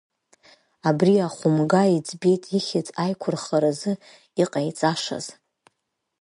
Абри ахәымга иӡбеит ихьӡ аиқәырхаразы иҟаиҵашаз…